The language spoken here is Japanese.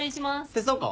手伝おうか？